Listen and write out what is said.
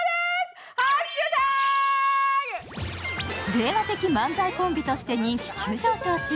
令和的漫才コンビとして人気急上昇中。